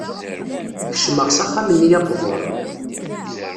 Kecmeɣ s axxam-nni aqbur.